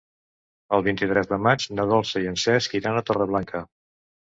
El vint-i-tres de maig na Dolça i en Cesc iran a Torreblanca.